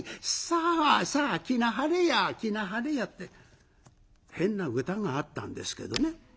さあさあ着なはれや着なはれや」って変な歌があったんですけどね。